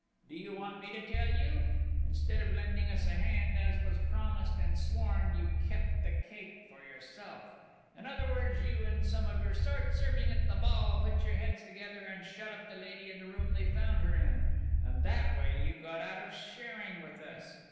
Do you want me to tell you?... Instead of lending us a hand as was promised and sworn, you kept the cake for yourself!... In other words, you, and some of your sort, serving at the ball, put your heads together, and shut up the lady in the room they found her in; and that way, you got out of sharing with us!...